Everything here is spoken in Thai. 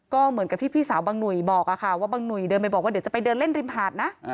ก็เหมือนกับที่พี่สาวบางหนุ่ยบอกค่ะว่าบางหนุ่ยเดินไปบอกว่าเดี๋ยวจะไปเดินเล่นริมหาดนะ